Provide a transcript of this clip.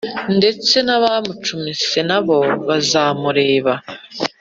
ndetse n’abamucumise na bo bazamureba,